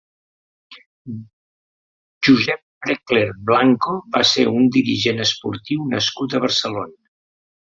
Josep Preckler Blanco va ser un dirigent esportiu nascut a Barcelona.